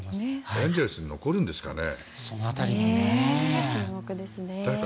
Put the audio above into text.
エンゼルスに残るんですかね？